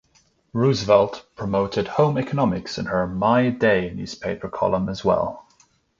Roosevelt promoted home economics in her "My Day" newspaper column as well.